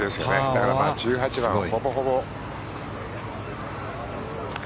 だから１８番はほぼほぼ。